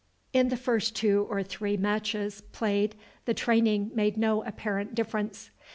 In the first two or three matches played the training made no apparent difference.